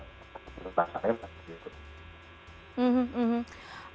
tidak ada yang menurut saya